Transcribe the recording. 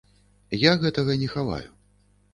Я гэтага не хаваю.